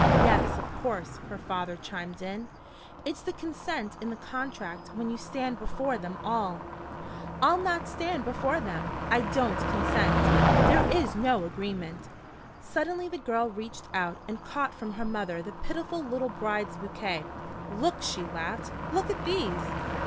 "Yes, of course," her father chimed in. "It's the consent in the contract when you stand before them all." "I'll not stand before them. I don't consent! There is no agreement!" Suddenly the girl reached out and caught from her mother the pitiful little bride's bouquet. "Look!" she laughed. "Look at these!"